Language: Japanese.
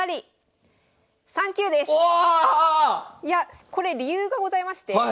いやこれ理由がございまして。